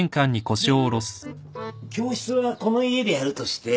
で教室はこの家でやるとして。